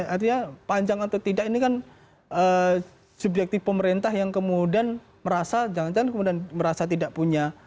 artinya panjang atau tidak ini kan subjektif pemerintah yang kemudian merasa jangan jangan kemudian merasa tidak punya